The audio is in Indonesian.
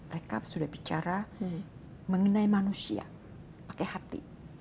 mereka sudah bicara mengenai manusia pakai hati